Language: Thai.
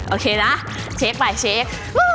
โอเคนะเช็คไปเช็ค